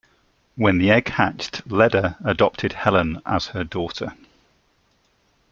When the egg hatched, Leda adopted Helen as her daughter.